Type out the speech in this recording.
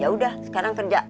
ya udah sekarang kerja